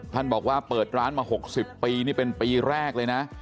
ท่านบอกว่าเปิดร้านมา๖๐ปีนี่เป็นปีแรกเลยนะ